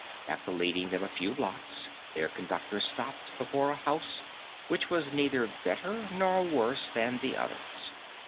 After leading them a few blocks, their conductor stopped before a house which was neither better nor worse than the others.